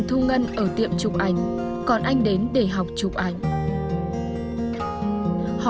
trong cái rủi cũng có cái may người ta